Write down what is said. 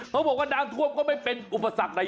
เขาบอกว่าน้ำท่วมก็ไม่เป็นอุปสรรคใด